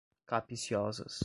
capciosas